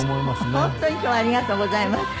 本当に今日はありがとうございました。